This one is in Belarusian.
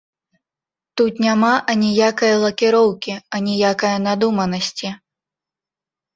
Тут няма аніякае лакіроўкі, аніякае надуманасці.